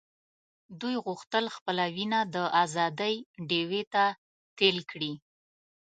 دوی غوښتل خپله وینه د آزادۍ ډیوې ته تېل کړي.